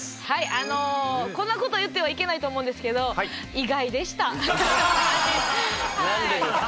あのこんなこと言ってはいけないと思うんですけどなんでですか？